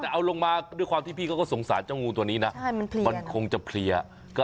แต่เอาลงมาด้วยความที่พี่เขาก็สงสารเจ้างูตัวนี้นะมันคงจะเพลีย